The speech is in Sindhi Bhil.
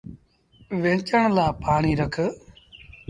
ويچڻ لآ پآڻيٚ رک۔